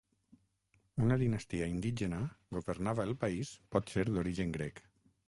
Una dinastia indígena governava el país potser d'origen grec.